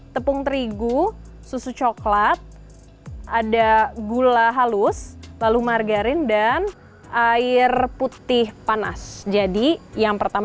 tepung terigu susu coklat ada gula halus lalu margarin dan air putih panas jadi yang pertama